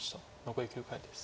残り９回です。